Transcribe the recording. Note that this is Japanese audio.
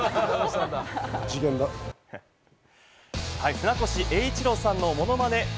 船越英一郎さんのものまねな